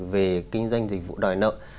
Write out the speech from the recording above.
về kinh doanh dịch vụ đòi nợ